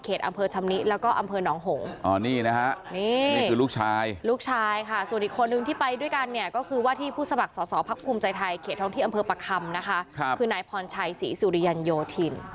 เขตทั้งที่อำเภอปะคลำครับคือหน่ายพรชัยศรีสุริยันยโยธิน